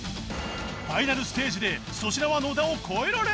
ファイナルステージで粗品は野田を超えられるのか？